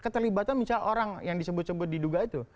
keterlibatan misalnya orang yang disebut sebut diduga itu